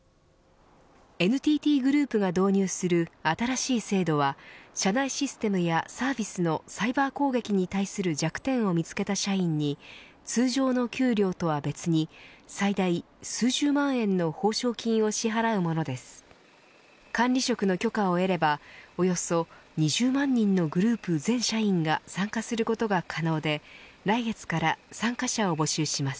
ＮＴＴグループが導入する新しい制度は社内システムやサービスのサイバー攻撃に対する弱点を見つけた社員に通常の給料とは別に最大数十万円の報奨金を支払うものです。